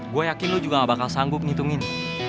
gue yakin lu juga gak bakal sanggup ngitungin